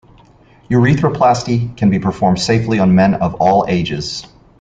Urethroplasty can be performed safely on men of all ages.